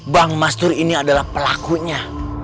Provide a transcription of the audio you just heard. bang mastur ini adalah pelakunya